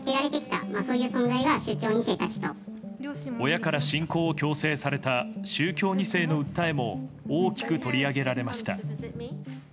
親から信仰を強制された宗教２世の訴えも大きく取り上げられました。